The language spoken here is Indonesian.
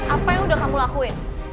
apa yang udah kamu lakuin